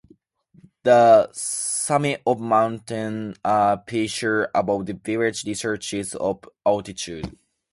The summit of Mount Perisher above the village reaches of altitude.